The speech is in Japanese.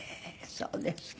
そうですか。